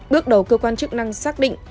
bước đầu cơ quan chức năng xác định